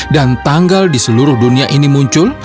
dan tanggal di seluruh dunia ini muncul